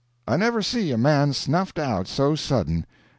"I never see a man snuffed out so sudden.